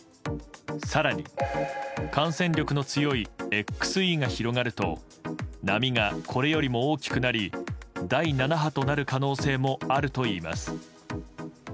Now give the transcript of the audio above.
更に、感染力の強いＸＥが広がると波がこれよりも大きくなり第７波となる可能性もあるといいます。